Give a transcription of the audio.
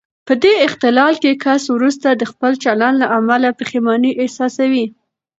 په دې اختلال کې کس وروسته د خپل چلن له امله پښېماني احساسوي.